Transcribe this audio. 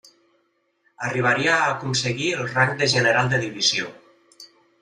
Arribaria a aconseguir el rang de general de divisió.